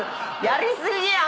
やり過ぎや！